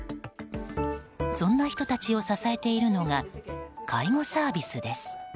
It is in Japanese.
そんな人たちを支えているのが介護サービスです。